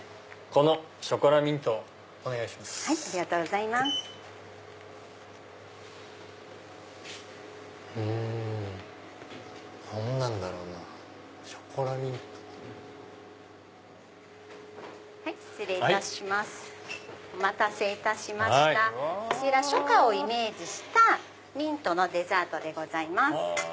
こちら初夏をイメージしたミントのデザートでございます。